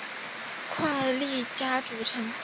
快利佳组成。